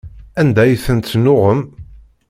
Anda ay ten-tennuɣem?